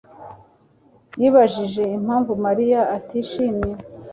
yibajije impamvu Mariya atishimye.